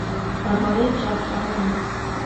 დაბალი ჯავშანი აქვთ.